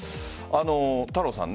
太郎さん